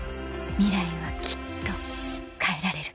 ミライはきっと変えられる